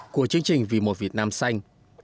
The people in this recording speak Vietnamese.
của chương trình vì mùa việt nam xanh